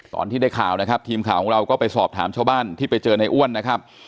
ตอนที่ได้ข่าวนะครับทีมข่าวของเราก็ไปสอบถามชาวบ้านที่ไปเจอในอ้วนนะครับ